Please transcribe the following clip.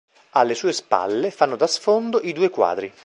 Alle sue spalle fanno da sfondo i due quadri.